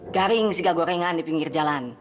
garing si kagorengan di pinggir jalan